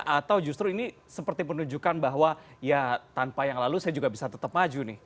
atau justru ini seperti menunjukkan bahwa ya tanpa yang lalu saya juga bisa tetap maju nih